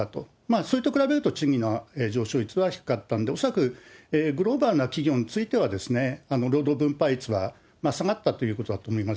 それと比べると賃金の上昇率はよかったんで、グローバルな企業については、労働分配率は下がったということだと思います。